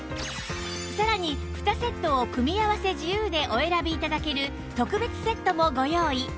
さらに２セットを組み合わせ自由でお選び頂ける特別セットもご用意